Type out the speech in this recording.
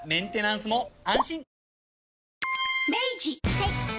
はい。